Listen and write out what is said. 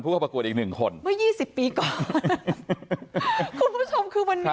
เข้าประกวดอีกหนึ่งคนเมื่อยี่สิบปีก่อนคุณผู้ชมคือวันนี้